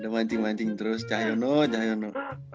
udah mancing mancing terus cahyono cahyono